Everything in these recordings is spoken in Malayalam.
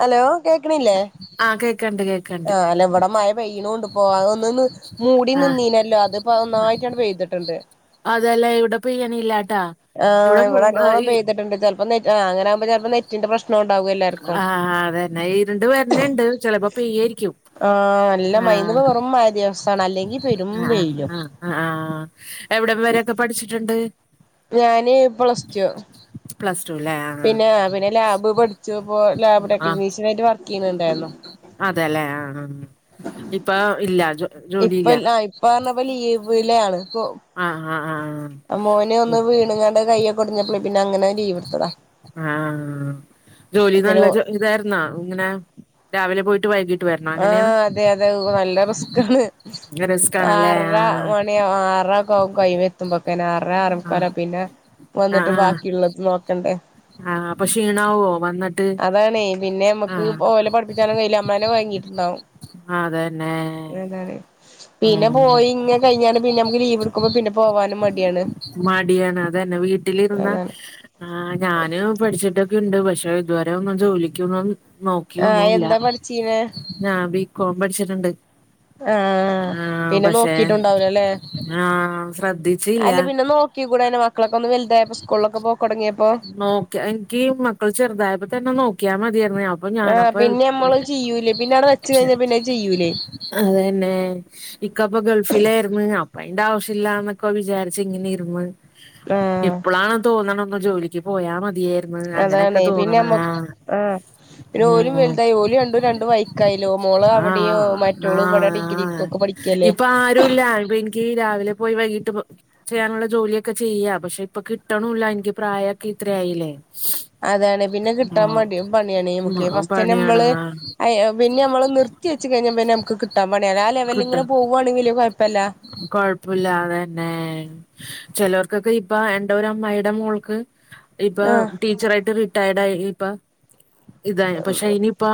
ഹലോ കേക്കണില്ലേ, ആഹ് കേക്കണ്ട് കേക്കണ്ട് ആഹ് അല്ല ഇവിടെ മഴ പെയ്യണുണ്ട് പോയെന്ന് തോന്നു. മൂടി ആഹ് നിന്നീനല്ലോ അത്പ്പ മയായിട്ടങ്ങട് പെയതിട്ടുണ്ട്. അത്വല്ല ഇവിടെ പെയ്യണില്ലട്ടോ ഇവിടെ ഫുള്ള് മായി ആഹ് അങ്ങനാകുമ്പ [unintelligible] ന്റെ പ്രശ്നോണ്ടാവും. ആഹ് അതന്നെ ഇരുണ്ട് വരണുണ്ട് ചെലപ്പോ പെയ്യുവാരിക്കും. ആഹ് നല്ല മയെന്നൊക്കെ പറേമ്പാ മഴദിവസാ അല്ലെങ്കി പെരും ആഹ് വെയില്. ആഹ് ആഹ് എവിടം വരേയൊക്കെ പഠിച്ചിട്ടുണ്ട്? ഞാന് പ്ലസ് ടു പ്ലസ് ടു അല്ലേ ആഹ് പിന്നെ പിന്നെ ലാബ് പഠ ജ്ജപ്പോ ലാബ് ആഹ് ടെകക്നീഷ്യനായിട്ട് വർക്ക് ചെയ്യുന്നുണ്ടായിരുന്നോ? അതെല്ലേ ആ, ഇപ്പൊ ഇല്ലാ ഇപ്പ ഇല്ല ആ ഇപ്പ പറഞ്ഞപ്പോ ലീവിലാണ്. പ്പോ ആഹ് ആഹ് മോന് ആഹ് ഒന്ന് വീണുംങ്ങാണ്ട് കയ്യൊക്ക ഒടിഞ്ഞപ്പളി പിന്നങ്ങനെ ലീവെടുത്തതാ. ആ ജോലി നല്ല പിന്നെ ജോ ഇതായിരുന്നാ ഇങ്ങനെ, രാവിലെ പോയിട്ട് വൈകിട് ആ അതെ അതെ നല്ല റിസ്ക്കാണ് റിസ്ക് ആണല്ലേ ആറര ആഹ് മണിയാകും ആറ ക്കെ കഴിയും എത്തുമ്പോത്തേന് ആറര ആഹ് ആറേമുക്കാലാകും പിന്നെ ആഹ് വന്നിട്ട് ആഹ് ബാക്കിയുള്ളത് നോക്കണ്ടേ. ആഹ് അപ്പൊ ക്ഷീണാവോ വന്നിട്ട് അതാണേ പിന്നെ നമ്മക്ക് ആഹ്. ഓലെ പഠിപ്പിച്ചാനും കയ്യില്ല നമ്മളന്നെ കൊയങ്ങിട്ടുണ്ടാവും അതന്നെ. അതാണ് പിന്നെ ഉം പോയി ഇങ്ങെ കഴിഞ്ഞാണ് പിന്നെ നമുക്ക് ലീവ് എടുക്കുമ്പോ പിന്നെ പോവാനും മടിയാണ്. മടിയാണ് അതന്നെ വീട്ടിലിരുന്ന. അതാണ് ആ ഞാന് പഠിച്ചിട്ടൊക്കെയുണ്ട് പക്ഷെ ഇതുവരെ ഒന്നും ജോലിക്കൊന്നും. ആഹ് നോക്കിയൊന്നുംല്ല എന്താ പഠിച്ചീനെ ഞാ ബി കോം പഠിച്ചിട്ടുണ്ട്. ആഹ് ആഹ് പിന്നെ പക്ഷെ നോക്കിട്ടുണ്ടാവില്ലലെ. ആഹ് സദി അല്ല പിന്നെ നോക്കി കൂടെയായിരുന്നോ മക്കളൊക്കെ ഒന്ന് വലുതായപ്പോ സ്കൂളിലൊക്കെ പോക് തുടങ്ങിയപ്പോ. നോക്കി എനിക്ക് മക്കൾ ചെറുതായപ്പോ തന്നെ നോക്കിയാ മതിയായിരുന്നുേ അപ്പൊ ഞാനപ്പൊ. പിന്നെവിടെ വെച്ച് കഴിഞ്ഞാ പിന്നെത് ചെയ്യൂലേ. അതന്നെ. ഇക്കപ്പൊ ഗൾഫിലായിരുന്നു അപ്പോ അയിന്റെ ആവശ്യമില്ലന്നൊക്കെ വിചാരിച്ച് ഇങ്ങനെ ഇർന്ന്. ആഹ് ഇപ്പോളാണ് തോന്ന്ണ് ഒന്ന് ജോലിക്ക് പോയാ മതിയേ മ് അങ്ങനെയൊക്കെ അതാണേ പിന്നെ തോന്നണ നമ്മ ആഹ് പിന്നെ ഓലും ഉം വലുതായി ഓല് രണ്ടും രണ്ട് വൈക്കായില്ലോ മോള് അവിടെയോ ആഹ് അഹ് മറ്റോള് ഇവിടെ ഡിഗ്രി ആഹ്. ഒക്കെ പഠിക്കല്ലേ ഇപ്പൊ ആരുംല്ലാ എനിക്ക് രാവിലെ പോയി വൈകീട്ട് പോ ചെയ്യാനുള്ള ജോലിയൊക്കെ ചെയ്യ പക്ഷെ ഇപ്പൊ കിട്ടണുല്ല എനിക്ക് പ്രായൊക്കെ ഇത്രയായില്ലേ. അതാണ് പിന്നെ കിട്ടാൻ പ പണിയാണ് നമക്ക് ആഹ് ഫസ്റ്റ്നെ പണിയാണ് നമ്മള് ആഹ് പിന്നെ നമ്മള്. റ്റി വെച്ച് കഴിഞ്ഞ പിന്നെ നമക്ക് കിട്ടാൻ പണിയാ ആ കിട്ടാ ലെവലിങ്ങെനെ പോകവാണെങ്കിൽ കോഴപ്പല്ല. പ്പുല്ലാ അതെന്നെ ചിലർക്കൊക്കെ ഇപ്പ എന്റെ ഒരു അമ്മായിയുടെ മോൾക്ക്. ഇപ്പ ആഹ് ടീച്ചറായിട്ട് റിട്ടയർഡ് ആയി ഇപ്പ ഇതായി പക്ഷെ ഇനിയിപ്പ.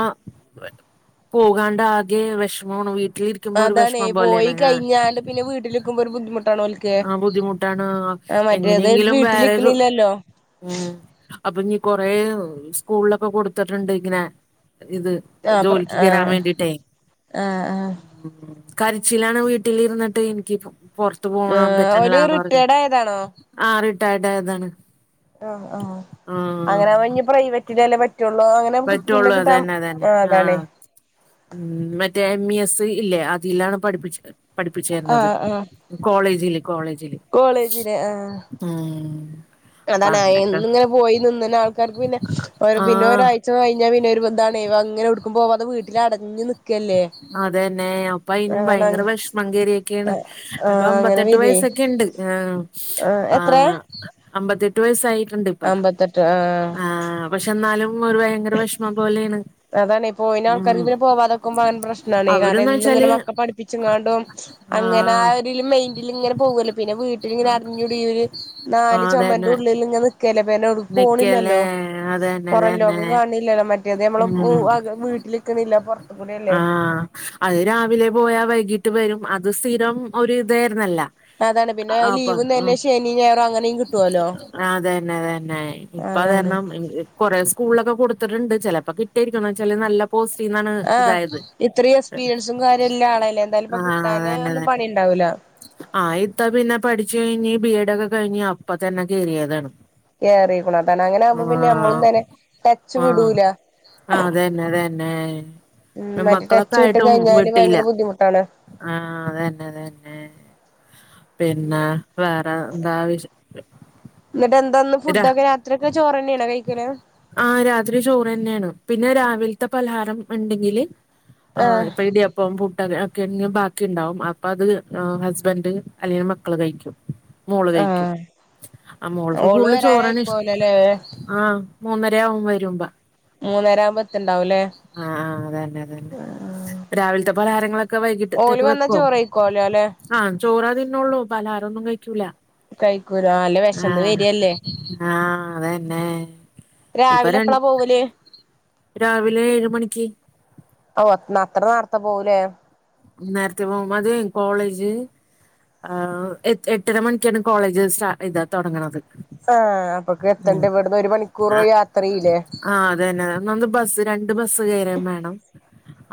പോകാണ്ടാകെ വിഷമമാണ് വീട്ടിൽ ഇ കിക്കുമ്പോ ഒരു അതാണേ വിഷമം പോയി പോലെയാണ് ആ കഴിഞ്ഞാണ്ട് പിന്നെ വീട്ടിലിക്കുമ്പോ ഒരു ബുദ്ധിമുട്ടാണ് ഓൽക്ക് ആ ബുദ്ധിമുട്ടാണ്. ആഹ് മറ്റേത് എങ്ങനെയെങ്കിലും വേറേരു. വീട്ടിലിക്കണില്ലല്ലോ ഉം അപ്പൊ ഞ് കൊറേ സ്കൂളിലൊക്കെ കൊടുത്തിട്ടുണ്ട് ഇങ്ങനെ ഇത്. ആഹ് പ്ര ജോലിക്ക് കേറാൻ ആഹ് വേണ്ടിട്ടേ. ആഹ് ആഹ്. കരിച്ചിലാണ് വീട്ടിലിരുന്നിട്ട് എനിക്ക് പോ ണിക്ക് പോകാൻ ആഹ് ഓല് പറ്റണില്ലന്ന് പറഞ്ഞ റിട്ടയേർഡ് ആയതാണോ? ആ റിട്ടയർഡ് ആയതാണ്. ആ ആഹ് ആഹ് അങ്ങനെഞ് പ്രൈവറ്റിന്റെലേ പറ്റുള്ളൂ അങ്ങനെ. പിന്നെ പറ്റുള്ളൂ കിട്ടാം അതന്നെ പിന്നെ അതന്നെ കിട്ടാൻ അതാണെ. ആഹ് ഉം മറ്റേ എം ഇ എസ് ഇല്ലേ അതിലാണ് പഠിപ്പിച്ചത് പഠിപ്പിചേർന്നത്. കോളേജിൽ കോളേജിൽ. കോളേജിൽ ആ... മ്മ് അതാണ് ഇങ്ങനെ പോയി നിന്നന്നെ ആൾക്കാർക്ക് പിന്നെ പിന്നെ ഒരു ആഹ് ഫുഡ്‌കഴിച്ച്കഴിഞ്ഞാ പിന്നെ ഒരു ബന്ധണേ അങ്ങനെടുക്കും പോവാതെ അത് വീട്ടിൽ അടഞ് നി അതന്നെ അപ്പൊ അയിന് അതാണ് ഭയങ്കര വിഷമം കേറിയേക്കെയാണ്. ആഹ് അപ്പൊ അങ്ങനെ അമ്പത്തെട്ട് വര്വേ വയസ്സൊക്കെ ഉണ്ട് ആഹ് ആ ആ. എത്രേ അബ്ബത്തിഎട്ട് വയസ്സായിട്ടുണ്ട് ഇപ്പ അമ്പത്തെട്ട് ആഹ് ആ. പക്ഷെ എന്നാലും ഒരു ഭയങ്കര വിഷമം പോലെയാണ്. അതന്നേ പോയിനെ ഉം ആൾക്കാറന്നേ പിന്നെ പോവ. കും അങ്ങനെ പ്രശ്നണെ കാരണം അവര്ന്ന് എന്നും ഇങ്ങനെ വെച്ചാല് മക്കെ പഠിപ്പിച്ചിങ്ങാണ്ടും അങ്ങനെ ആ ആഹ് മൈൻഡിൽ ഇങ്ങനെ പോകല്ല പിന്നെ വീട്ടിൽ ഇങ്ങനെ അടിഞ്ഞൂടി ഒരു നാല് ആഹ് ചുമരിന്റെ അതന്നെ ഉള്ളിൽ ഇങ്ങെനെ നിക്കല്ലേ പനോ നിക്കല്ലേ പോണില്ലല്ലോ അതന്നെ അതന്നെ പുറംലോകം കാണില്ലല്ലോ മറ്റേത് നമ്മള് ഉം വീട്ടിലിക്കണില്ല പോറത്ത്കൂടെ അല്ലേ ആഹ് അത് രാവിലെ പോയാൽ വൈകീട്ട് വരും അത് സ്ഥിരം ഒരൂ ഇതായിരൂന്നലോ അതാണ് പിന്നെ ലീവ്ന്ന് തന്നെ ശനി ഞായർ അങ്ങനെയും കിട്ടുവല്ലോ ആ അതന്നേ അതന്നെ അതാണ് ഇപ്പതാരണം കൊറേ സ്കൂളിലൊക്കെ കൊടുത്തിട്ടിണ്ട് ചെലപ്പോ കിട്ടേരിക്കും എന്ന് വച്ചാല് നല്ല പോസ്റ്റീന്നാണ് ആ ഇതായത് ഇത്രയും എക്സ്പീരിയൻസും കാര്യല്ല ആളല്ലേ എന്തായാലും ഇപ്പൊ കിട്ടാന് ഒന്നും പണി ഇണ്ടാവൂല ആ ഇത്ത പിന്നെ പഠിച്ച് കയിഞ്ഞ് ബി എഡ് ഒക്കെ കഴിഞ്ഞ് അപ്പ തന്നെ കയറിയതാണ് കേയറിക്കണു അതാണ് അങ്ങനെ ആകുമ്പോ പിന്നെ നമ്മള് തന്നെ ടച്ച് വിടൂല ആ അതന്നെ ഉം അതന്നെ മറ്റേ മക്കളൊക്കെ ടച്ച് വിട്ട് ആയിട്ടും കഴിഞ്ഞാല് വിട്ടീല ഭയങ്കര ബുദ്ധിമുട്ടാണ് ആ അതന്നെ അതന്നെ പിന്നെ വേറെന്താ വിശേ എന്നിട്ട് എന്താന്ന് രാ ഫുഡ് ഒക്കെ രാത്രി ഒക്കെ ചോറന്നേണോ കയിക്കണ് ആ രാത്രി ചോറന്നേണ് പിന്നെ രാവിലത്തെ പലഹാരം ഇണ്ടെങ്കില് ആ ആഹ് ഇപ്പൊ ഇടി ഇപ്പം പുട്ട് ഒക്കെ ബാക്കി ഇണ്ടാവും അപ്പ അത് ഹസ്ബന്റ് അല്ലെങ്കിൽ മക്കള് കയിക്കും മോള് കയ്ക്കും ആഹ് ആ മോൾക്ക് ഓള് കൂടുതല് ചോറാണ് ഇഷ്ടം വരാനായിക്കോലല്ലേ ആ മൂന്നര ആകും വരുമ്പ മൂന്നര ആവുമ്പ എത്തിണ്ടാവുല്ലേ ആ ആ അതന്നെ അതന്നെ രാവിലത്തെ പലഹാരങ്ങളൊക്കെ ഓല് വൈകിട്ടത്തേക്ക് വന്നാ വെക്കോ ചോറ് കഴിക്കോലോ ല്ലേ ആ ചോറാ തിന്നൊള്ളോ പലഹാരൊന്നും കയിക്കൂല കയിക്കൂല അല്ല വെഷന്ന് വരല്ലേ ആ അതന്നെ ഇപ്പൊ രാവിലെ ര എപ്പളാ പോവല് രാവിലെ ഏഴ് മണിക്ക് ഓ അത്ര നേർത്ത പോവൂലേ നേരത്തെ പോകും അത് കോളേജ് ആ എട്ടര മണിക്കാണ് കോളേജ് സ്റ്റർട്ട് ചെയ്യാൻ തൊടങ്ങണത് ആ അപ്പൊക്കെ എത്തണ്ടേ ഇവിടുന്ന് ഒരു മണിക്കൂറോ യാത്രയിലേ ആ അതന്നെന്ന് ബസ് രണ്ട് ബസ് കയറേം വേണം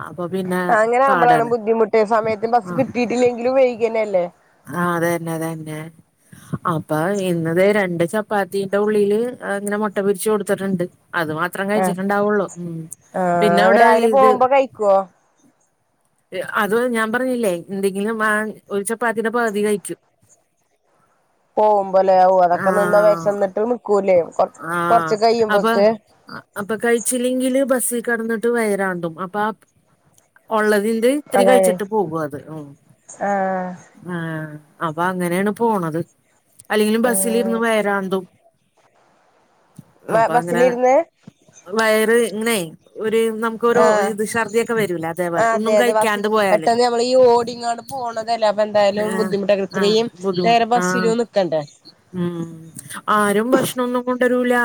അപ്പൊ പിന്നെ പാടാണ് കൃത്യ സമയത്ത് ബസ്സ് കിട്ടിട്ടില്ലെങ്കിലും വൈകന്നെല്ലേ ആ അതന്നെ അതന്നെ അപ്പൊ ഇന്നിതേ രണ്ട് ചപ്പാത്തിന്റെ ഉള്ളില് ഇങ്ങനെ മുട്ട പൊരിച്ച് കൊടുത്തിട്ടുണ്ട് അത് മാത്രം ആഹ് കയിച്ചിട്ടണ്ടാവുള്ളൂ ഉം പിന്നെ അവടെ ഇത് കോ അത് ഞാൻ പറഞ്ഞില്ലേ എന്തെങ്കിലും ആ ഒരു ചപ്പാത്തിടെ പകതി കഴിക്കും പോകുമ്പോലേ അതൊക്കെ നിന്ന ആഹ് വെശന്നിട്ട് നിക്കൂല്ലേ ആഹ് കൊറച്ച് അപ്പൊ കയുമ്പോക്ക് അപ്പൊ കയിച്ചില്ലെങ്കില് ബസ്സി കെടന്നിട്ട് വയറാണ്ടും അപ്പ ഒള്ളത് ഇത് ഇത്തിരി അതാണ് കഴിച്ചിട്ട് പോകും അത് ഉം ആഹ് ആ അപ്പൊ അങ്ങനേണ് പോണത് അല്ലെങ്കി ആഹ് ബസിലിരുന്ന് വയറാന്തും ബ അപ്പ അങ്ങനെ ബസ്സിലിരുന്ന് വയറ് ഇങ്ങനെ ഒരു നമുക്കൊരു ആഹ് ഇത് ഷർദിയൊക്കെ വരൂലേ അതേപോലെ ഒന്നും കയിക്കാണ്ടും പെട്ടന്ന് നമ്മള് ഓടിങ്ങാട് പോണതല്ല അപ്പൊ എന്തായാലും ആഹ് ബുദ്ധിമുട്ടൊക്കേ ഇത്രയും നേരം ബസ്സിലും നിക്കണ്ടേ മ്മ് ആരും ഭക്ഷണൊന്നും കൊണ്ടരൂല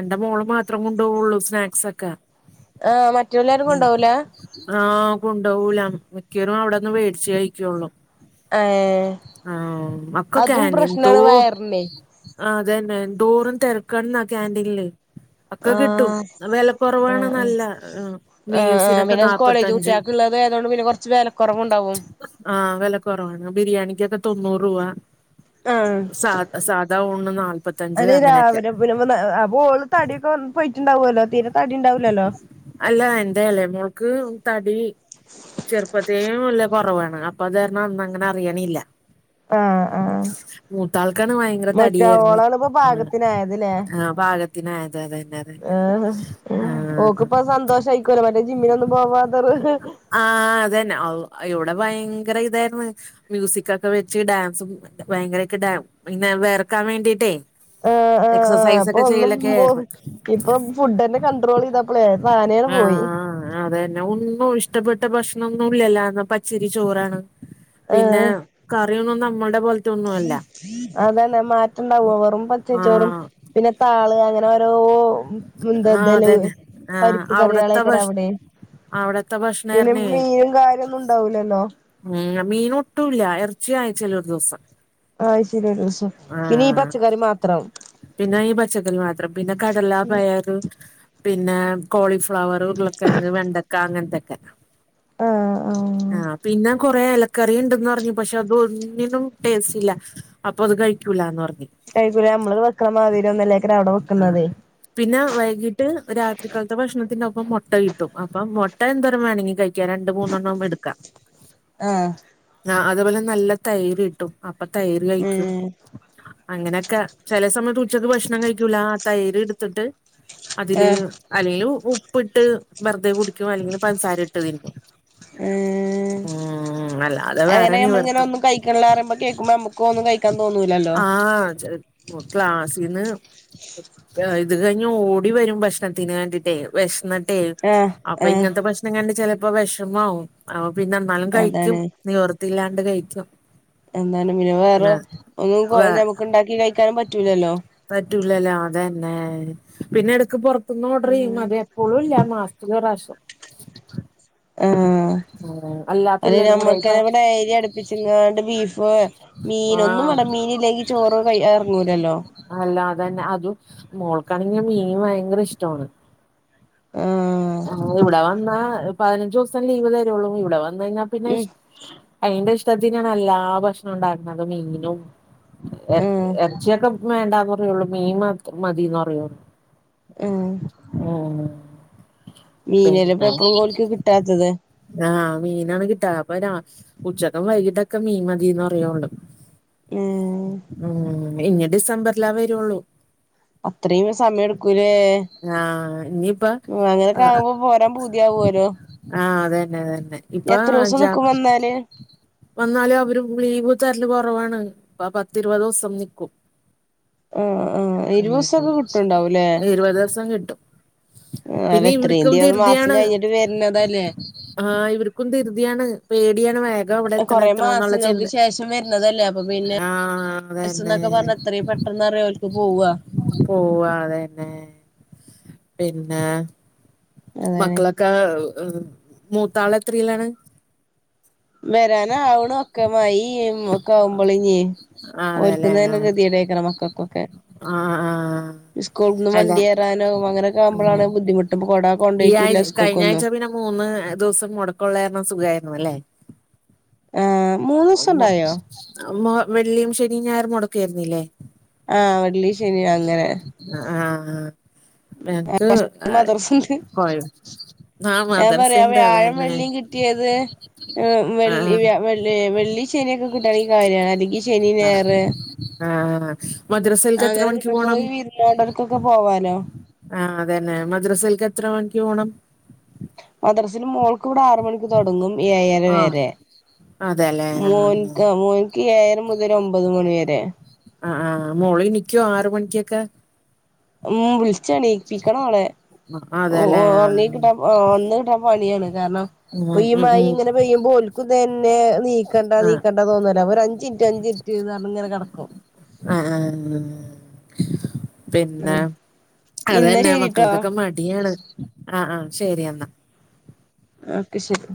എന്റെ മോള് മാത്രം കൊണ്ടവൊള്ളോ സ്നാക്സൊക്കെ ആഹ് മറ്റോല് ആരും കൊണ്ടവൂല ആഹ് കൊണ്ടവൂല മിക്കിയേരും അവിടെന്ന് വേടിച്ച് കഴിക്കൊള്ളോ ഏഹ് ആഹ് അക്കക്കൊ അതും കാന്റീൻ തൊ പ്രശ്നാണ് [unintelligible] വയറിനെ ആഹ് അതന്നെ എന്തോരം തെരക്കാണ്ന്ന കാന്റീനില് ഒക്കെ കിട്ടും ആഹ് വെലക്കൊറവാണ് ആഹ് ആഹ് നല്ല മീൽസിനൊക്കെ നാപത്തി കുട്ടിയോൾക്ക് ഉള്ളതായതുകൊണ്ട് പിന്ന കൊറച്ച് വെല കൊറവ്ണ്ടാവും ആഹ് വില കുറവാണ് ബിരിയാണിിക്കൊക്കെ തൊണ്ണൂറ് രൂപ ആഹ് സാ സാധാ ഊണ് നാല്പത്തഞ്ച് അങ്ങനെയൊക്കെ അപ്പ ഓള് തടിയൊക്കെ പോയിട്ടുണ്ടാവുല്ലോ തീരെ തടി ഉണ്ടാവില്ലല്ലോ അല്ല എൻന്റെ ഇളെമോൾക്ക് തടി ചെറുപ്പത്തെയും ഉള്ള കുറവാണ് അപ്പൊ അത് കാരണം അന്ന അങ്ങനെ അറിയണല്ല ആഹ് ആഹ് മൂത്താൾക്കാണ് ഭയങ്കര മറ്റേ തടിയായിരുന്നു ഓളാണ് ഇപ്പോ പാകത്തിനായതല്ലേ ആഹ് പാകത്തിന് അയതതെന്നെ അഹ് ആഹ് ഓക്ക് ഇപ്പ സന്തോഷയിക്കോല്ലോ മറ്റേ ജിമ്മിനൊന്നും പോവാത്തൊരു ആഹ് അതന്നെ ഇവിടെ ഭയങ്കര ഇതായിരുന്നു മ്യൂസിക്ക ഒക്കെ വെച്ച് ഡാൻസും ഭയങ്കരൊക്കെ ഡ പിന്നെ വേർക്കാൻ വേണ്ടിട്ടേ ആഹ് ആഹ് എക്സസൈസ് ഒക്കെ ചെയ്യലൊക്കെ ആരുന്നു അപ്പൊ ഫുഡ് തന്നെ കണ്ടട്രോൾ ചെയ്തപ്പോളെത് താനെയങ്ങ് പോയി ആഹ് അതന്നെ ഒന്നും ഇഷ്ടപ്പെട്ട ഭക്ഷണ ഒന്നും ഇല്ലല്ല എന്ന പച്ചരി ചോറാണ് പിന്നെ ആഹ് കറിയന്നും നമ്മടെ പോലെത്തെ [unintelligible] അതന്നെ മാറ്റംണ്ടാവും വെറും പച്ചരിചോറും ആഹ് പിന്നെ താള് അങ്ങനെ ഓരോ [unintelligible] ആഹ് ഇഡ്ഡലി അതന്നെ ആഹ് പരിപ്പ് കറികറി അവിടത്തെ ഭക്ഷ യണഅവിടെ അവിടത്തെ പിന്നെ ഭക്ഷണായിരുന്നേ മീനും കാര്യംന്നും ഉണ്ടാവൂലല്ലോ ഉം മീൻട്ടുല്ല ഇറച്ചി ആയിച്ചിലൊ ഒരു ദിവസം ആ്ഹ് ആഴ്ചല്ഒരു ദിവസം പിന്നെ ഈ ആഹ് പച്ചക്കറി മാത്രവും പിന്നെ ഈ പച്ചക്കറി മാത്രം പിന്നെ കടലാ പയറ് പിന്നെ കോളിഫ്ലവർ ഉരുളക്കിഴങ്ങ് വെണ്ടക്ക അങ്ങനത്തൊക്കെ ആഹ് പിന്നെ കുറെ ഇലക്കറി ഉണ്ടന്ന് പറഞ്ഞു പക്ഷെ അത ഒന്നിനും ടേസ്റ്റ് ഇല്ല അപ്പൊ അത് കഴിക്കൂലന്ന് പറഞ്ഞ് കഴിക്കൂല നമ്മള് വെക്കണ മാതിരി ഒന്നല്ലേക്കന അവിടെ ആഹ് വെക്കുന്നത് പിന്നെ വൈകീട്ട് രാത്രികാലത്തെ ഭക്ഷണത്തിന്റെ ഒപ്പം മുട്ട കിട്ടും അപ്പം മുട്ട എന്തര വേണെങ്കിലും കഴിക്ക ക്ക രണ്ട് മൂന്നെണ്ണ ആകുമ്പോ എടുക്കാം ആഹ് ആഹ് അതുപോലെ നല്ല തൈര് കിട്ടും അപ്പൊ തൈര് കഴിക്കും ഉം അങ്ങനെയൊക്കെ ചില സമയത്ത് ഉച്ചക്ക് ഭക്ഷണം കഴിക്കൂല ആഹ് തൈര് എടുത്തിട്ട് അതില് ആഹ് അല്ലെങ്കിൽ ഉപ്പിട്ട് വെറുതെ കുടിക്കും അല്ലെങ്കിൽ പഞ്ചസാര ഇട്ട് കയിക്കും ഉം ഉം അല്ല അത വേറെ നീവർത്ത റയുമ്പോ കേൾക്കുമ്പോ നമുക്ക ഒന്നും കഴിക്കാൻ തന്നൂലല്ലോ ആഹ് ചെല മുത്ത്ക്ലാസിന്ന് ഇത് കഴിഞ്ഞ് ഓടി വരും ഭക്ഷണത്തിന് വേണ്ടിട്ടേ വിഷന്നിട്ടെ ആഹ് അപ്പൊ ആഹ് ഇങ്ങനത്തെ ദക്ഷണം കണ്ട ചിലപ്പോ വിഷമോ ആവും അപ്പൊ പിന്നെ ന്നാലും കഴിക്കും അതാണ് നിവർത്തില്ലാണ്ട് കഴിക്കും എന്താണ് പിന്നെ വേറെ വേ ഒന്നും നമുക്ക് ഉണ്ടാക്കി കഴിക്കാനും പറ്റൂലല്ലോ പറ്റൂലല്ലോ അതന്നെ പിന്നെ എടക്ക് പുറ ത്ത്ന്ന് ഓർഡർ ചെയ്യും ഉം അത് എപ്പോഴും ഇല്ല മാസത്തില് ഒരു പ്രാവശ്യം ഹ്ആഹ് എല്ലാ അത് പിള്ളേരും കൂടെ നമ്മുക്ക ഇവിടെ ഏരിയടു ച്ചിങ്ങാണ്ട് ബീഫ് മീൻ ഒന്നും ആഹ് വേണ്ട മീനില്ലങ്കി ചോറ് ഇറങ്ങൂലല്ലോ അല്ല അതന്നെ അതും മോൾക്കാണെങ്ക മീൻ ഭയങ്കര ഇഷ്ടമാണ് ആഹ് ഇവിടെ വന്നാ പതിനഞ്ച് ഉസം ലീവ് തരള്ളൂ ഇവിടെ വന്നയി ഞ്ഞ പിന്നെ ഉം അയിന്റെ ഇഷ്ടത്തിനാണ് എല്ലാ ഭക്ഷണം ഉണ്ടാക്കുന്നത് മീനും ആഹ് ഇറച്ചിയൊക്കെ വേണ്ടന്ന് പറയുള്ളൂ മീൻ മതിന്ന് പറയുള്ളൂ ഉം ഉം മീനല്ല ഇപ്പ എപ്പഴും ഓല്ക്ക കിട്ടാത്തത് ആഹ് മീനാണ് കിട്ടാ പ്പൊ ഉച്ചക്കും വൈകിട്ടൊക്കെ മീൻ മതിന്ന് പറിയുവള്. ഉം ഉമ് ഇഞീ ഡിസംബറിലാ വരുള്ളൂ. അതൃയിം സമയം എടുക്കൂലേ ആഹ് ഇനിയിപ്പ ഉമ് അങ്ങനെക്കെ ആഹ് ആവുമ്പോ പോരാൻ പൂതിയാവോലോ ആഹ് അതന്നെ അതന്നെ ഇപ്പൊ അഞ്ച നിക്കും വന്നാല് വന്നാലും അവര് ലീവ് തരല് കൊറവാണ്പ്പ പത്തി ഇരുപത് ഉസം നിക്കും. ആഹ് ആഹ് ഉമ് ഇരുവസൊക്കെ കിട്ടുണ്ടാവൂല്ലേ ഇരുപതുസം കിട്ടും. ആ പിന്നെ ഇവർക്കും അല്ലത്രയുംന്ത്യ്യ മാസം ധൃതിയാണ് കഴിഞ്ഞിട്ട് വരുന്നതല്ലേ ആഹ് ഇവർക്കും തിൃതിയാണ് പേടിയാണ് വേഗം അവിടെ എത്തണം എത്തണ എന്നുള്ള. ഇത് ചിന്ത ശേഷം വരുന്നതല്ലേ അപ്പൊ പിന്നെ ആഹ് സ് അതന്നെ എന്നൊക്കെ പറഞ്ഞ അത്രയും പെട്ടെന്ന്റിയോലക്ക് പോവാ. പോവാ അതന്നെ പിന്നെ അതാണ് മക്കളൊക്കെ കാവ് മൂത്താളത്രരിയിലാണ്. വരാന ആവ്ന് മക്ക മയിഒക്കെ ആകുമ്പോള ഇഞ് ഓല്ക്കും അതെല്ലേ തന്നെ ആഹ് ഗദിടണക്കാരം മക്കൾക്കൊക്കെ. ആഹ് ആഹ് സ്കൂൾ ന്ന് അല്ല വണ്ടിേറാനോ അങ്ങനൊക്കെ ഉം ആവുമ്പോളാണ് ബുദ്ധിമുട്ട് ഇപ്പോ കൊട കൊണ്ട ഈ യിട്ടില്ല ആഴ്ച കഴിഞ്ഞ ആഴ്ച സ്കൂൾക്കൊന്നും പിന്നെ മൂന്ന് ദിവസം മുടക്കള്ളായിരുന്ന സുഖമായിരുന്നു ല്ലേ. ആഹ് വെള്ളിയിം ശനിമ് ഞായറും മുടക്കായിരുന്നില്ലേ. ആഹ് വെള്ളി ശനിയ അങ്ങനെ ആഹ് ആഹ് [inaudible] നക്ക് മദർസുണ്ട് കൊയ ആാ ഞാൻ പറയാ മദരസണ്ട് അത വ്യാഴം ന്നെ വെള്ളിയും കിട്ടിയത് വെ വെള്ളി ശനിയൊക്കെ കിട്ടണെഈ കാര്യമാണ് അല്ലെങ്കി ആഹ് ആഹ് മദ്രസയിൽക്ക് എത്ര അങ്ങനെ മണിക്ക് കിട്ടുമ്പോ പോണം ഈ വിര് ന്നോണ്ടോൾക്കൊക്കെ പോവാലോ ആഹ് അത തന്നെ മദ്രസൽക്ക് എത്ര മണിക്ക് പോണം. മദ്രാസല് മോൾക്ക് ഇവിടെ ആറ മണിക്ക് തുടങ്ങും യെയ്യര വരെ. അതെ അല്ലെ മോൻക്ക മോൻക്ക് ഏര മുതൽ ഒമ്പത് മണി വരെ ആഹ് ആഹ് മോളി ഇനീൽക്കോ ആറ മണിക്കൊക്കെ. ഉമ് വിളിച്ചണീപ്പിക്കണ ഓളെ അതെല്ലേ ആഹ് ഉറങ്ങി കിട്ടാ ഒന്ന് കിട്ടാൻ പണിയാണ്. കാരണം ഉം ഇ പ്പ ഉം മായി ഉം ഇങ്ങനെ പെയ്യുമ്പോ ഒലക് തന്നെ നീക്കണ്ട ആഹ് നീക്കണ്ട തോന്നുല്ല അപ്പൊ ഒരു അഞ്ചിൻറ്റ് അഞ്ചിൻ റ്റ് ന്ന് പറഞ്ഞ ഇങ്ങനെ കിടക്കും. ആഹ് ആഹ് പിന്നെ ഉം ഇന്നാ അത്ന്നെ ശരിട്ടോ മക്കൾക്കൊക്കെ മടിയാണ് ആഹ് ആഹ് ശരിയാന്നാ. ഓക്കെ ശരി.